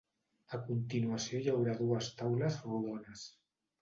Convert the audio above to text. A continuació hi haurà dues taules rodones.